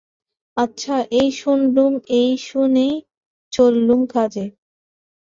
আচ্ছা, এই শুনলুম, এই শুনেই চললুম কাজে।